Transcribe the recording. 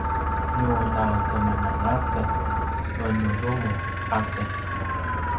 nu nakemananga aken menurumur aken